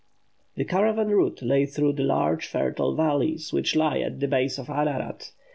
The caravan route lay through the large fertile valleys which lie at the base of Ararat.